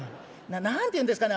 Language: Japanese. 何て言うんですかね？